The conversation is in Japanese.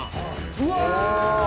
うわ！